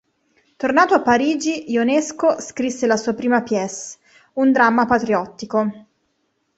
Tornato a Parigi, Ionesco scrisse la sua prima "pièce": un dramma patriottico.